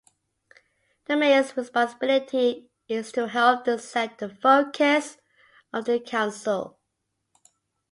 The mayor's responsibility is to help set the focus of the Council.